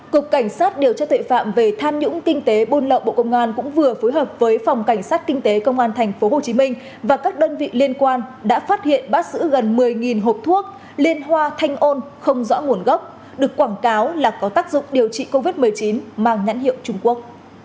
cục cảnh sát điều tra tuệ phạm về tham nhũng kinh tế buôn lậu bộ công an cũng vừa phối hợp với phòng cảnh sát kinh tế công an tp hcm và các đơn vị liên quan đã phát hiện bắt giữ gần một mươi hộp thuốc liên hoa thanh ôn không rõ nguồn gốc được quảng cáo là có tác dụng điều trị covid một mươi chín mang nhãn hiệu trung quốc